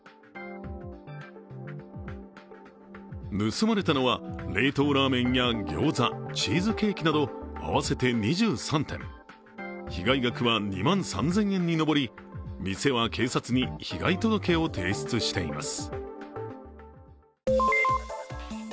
盗まれたのは、冷凍ラーメンやギョーザ、チーズケーキなど合わせて２３点、被害額は２万３０００円に上り店は警察に被害届を提出しています。